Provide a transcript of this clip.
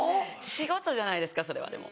仕事じゃないですかそれはでも。